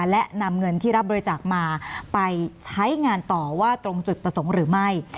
และนำเงินที่รับบริจาคมาไปใช้งานต่อว่าตรงจุดประสงค์หรือไม่